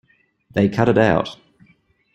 They cut it out.